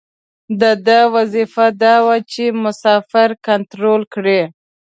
د ده وظیفه دا وه چې مسافر کنترول کړي.